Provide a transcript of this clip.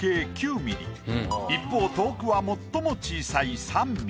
一方遠くは最も小さい。